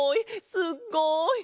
すっごい！